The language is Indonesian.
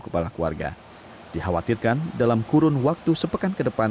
pak ngambil air pak